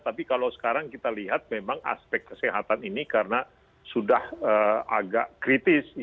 tapi kalau sekarang kita lihat memang aspek kesehatan ini karena sudah agak kritis